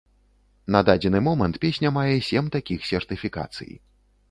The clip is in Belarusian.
На дадзены момант песня мае сем такіх сертыфікацый.